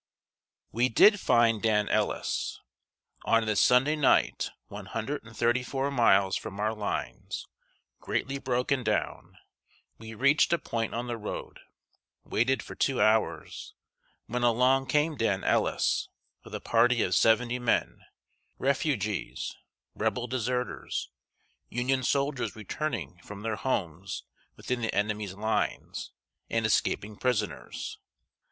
] We did find Dan Ellis. On this Sunday night, one hundred and thirty four miles from our lines, greatly broken down, we reached a point on the road, waited for two hours, when along came Dan Ellis, with a party of seventy men refugees, Rebel deserters, Union soldiers returning from their homes within the enemy's lines, and escaping prisoners.